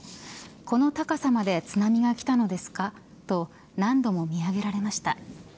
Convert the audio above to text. この高さまで津波が来たのですかと何度も見上げられました。